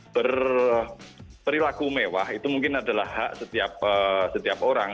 berperilaku mewah itu mungkin adalah hak setiap orang